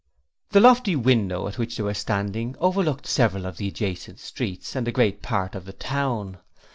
The lofty window at which they were standing overlooked several of the adjacent streets and a great part of the town.